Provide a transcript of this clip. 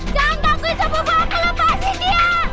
jangan takut sama buah aku lepasin dia